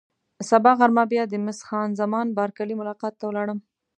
سبا غرمه بیا د مس خان زمان بارکلي ملاقات ته ولاړم.